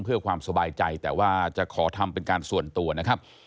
เพื่อความสบายใจแต่ว่าจะขอทำเป็นการส่วนตัวนะครับ